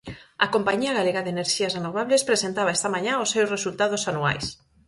A compañía galega de enerxías renovables presentaba esta mañá os seus resultados anuais.